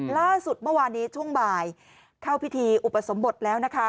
ล่าสุดเมื่อวานนี้ช่วงบ่ายเข้าพิธีอุปสมบทแล้วนะคะ